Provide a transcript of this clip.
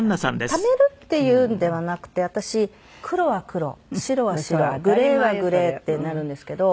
ためるっていうんではなくて私黒は黒白は白グレーはグレーってなるんですけど。